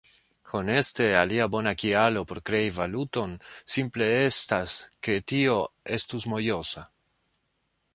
Honeste, alia bona kialo por krei valuton simple estas ke tio estus mojosa.